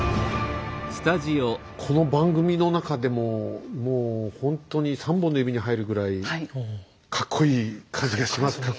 この番組の中でももうほんとに３本の指に入るぐらいかっこいい感じがします。